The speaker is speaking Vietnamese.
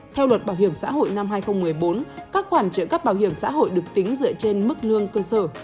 theo luật bảo hiểm xã hội năm hai nghìn một mươi bốn các khoản trợ cấp bảo hiểm xã hội được tính dựa trên mức lương cơ sở